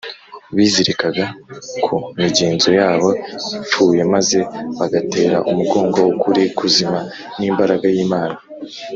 bizirikaga ku migenzo yabo ipfuye maze bagatera umugongo ukuri kuzima n’imbaraga y’imana